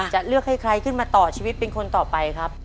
จะเลือกให้ใครขึ้นมาต่อชีวิตเป็นคนต่อไปครับ